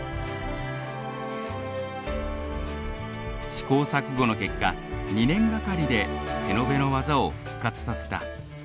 試行錯誤の結果２年がかりで手延べの技を復活させた。